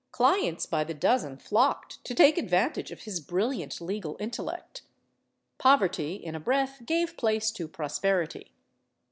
Clients by the dozen flocked to take advantage of his brilliant legal intellect. Poverty, in a breath, gave place to prosperity.